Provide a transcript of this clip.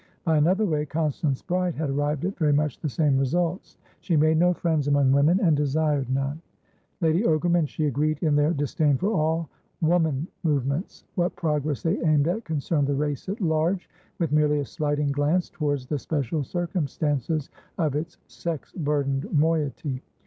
By another way, Constance Bride had arrived at very much the same results; she made no friends among women, and desired none. Lady Ogram and she agreed in their disdain for all "woman" movements; what progress they aimed at concerned the race at large, with merely a slighting glance towards the special circumstances of its sex burdened moiety.